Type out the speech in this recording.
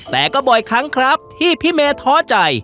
แต่ก็บ่อยครั้งครับที่พี่เมย์ท้อใจ